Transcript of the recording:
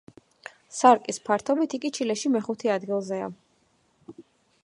სარკის ფართობით იგი ჩილეში მეხუთე ადგილზეა.